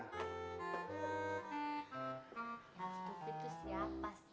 yang stupid tuh siapa sih